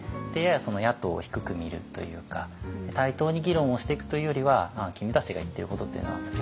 やや野党を低く見るというか対等に議論をしていくというよりは「君たちが言ってることっていうのは間違ってるよね」